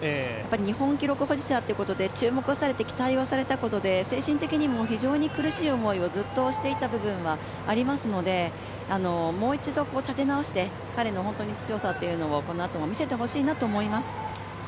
日本記録保持者ということで注目されて期待をされたことで精神的にも非常に苦しい思いをずっとしていた部分はありますので、もう一度立て直して、彼の強さをこのあとも見せてほしいなと思います。